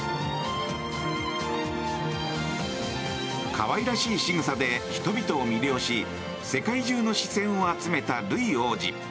可愛らしいしぐさで人々を魅了し世界中の視線を集めたルイ王子。